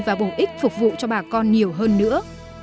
và bổ ích phục vụ cho bà con nhiều hơn nữa